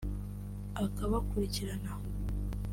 akabakurikirana